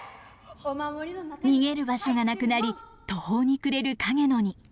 逃げる場所がなくなり途方に暮れるカゲノに。